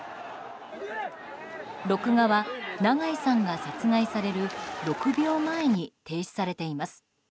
録画は長井さんが殺害される６秒前に停止されています。